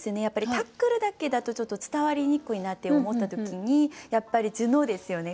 「タックル」だけだとちょっと伝わりにくいなって思った時にやっぱり頭脳ですよね